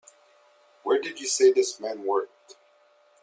Where did you say this man worked?